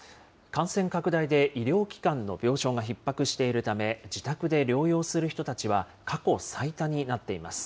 感染拡大で医療機関の病床がひっ迫しているため、自宅で療養する人たちは、過去最多になっています。